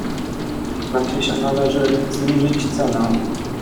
"Znaczy się należy „zniżyć cenę“."